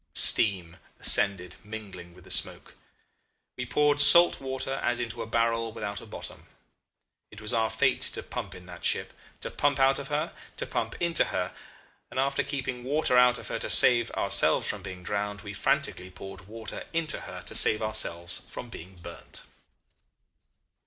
Steam ascended mingling with the smoke. We poured salt water as into a barrel without a bottom. It was our fate to pump in that ship, to pump out of her, to pump into her; and after keeping water out of her to save ourselves from being drowned, we frantically poured water into her to save ourselves from being burnt.